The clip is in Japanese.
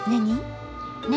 何？